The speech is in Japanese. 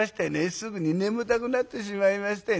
すぐに眠たくなってしまいましてね」。